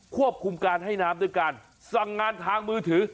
ควบคุมการให้น้ำด้วยการสั่งงานทางมือถือ